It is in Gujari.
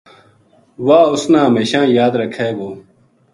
وہ اس نا ہمیشاں یاد رکھے گو